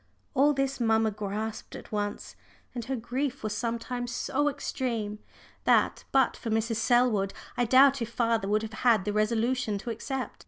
All this mamma grasped at once, and her grief was sometimes so extreme that, but for Mrs. Selwood, I doubt if father would have had the resolution to accept.